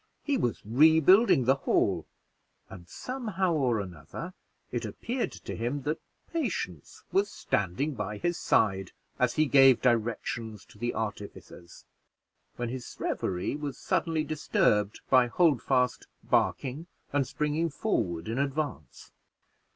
He was rebuilding the hall, and somehow or another it appeared to him that Patience was standing by his side, as he gave directions to the artificers, when his revery was suddenly disturbed by Holdfast barking and springing forward in advance.